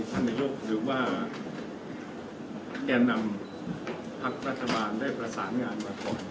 ทำงานด้วยร่วมกันกับพระพุทธรัฐบาลนี้จะดำเนินการอย่างไง